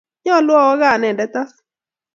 Nyalu awo kaa anendet as.